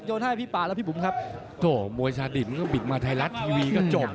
โยนให้พี่ป่าและพี่บุ๋มครับโถ้บวยชาดิมก็ปลิกมาทายลัททีวีก็จบ